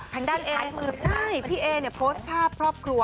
ทางด้านซ้ายมือใช่พี่เอเนี่ยโพสต์ภาพครอบครัว